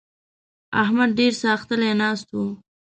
احمد ډېر ساختلی ناست وو.